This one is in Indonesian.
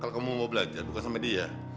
kalau kamu mau belajar bukan sama dia